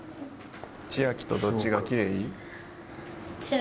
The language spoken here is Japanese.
ちあきとどっちがきれい？